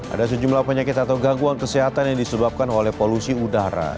ada sejumlah penyakit atau gangguan kesehatan yang disebabkan oleh polusi udara